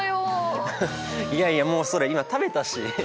いやいやもうそれ今食べたし！